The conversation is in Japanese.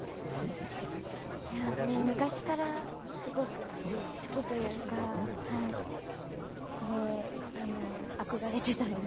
昔からすごく好きというか憧れていたので。